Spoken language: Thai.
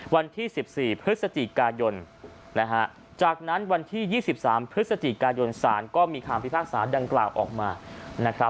วันที่๑๔พฤศจิกายนจากนั้นวันที่๒๓พฤศจิกายนสารก็มีคำพิพากษาดังกล่าวออกมานะครับ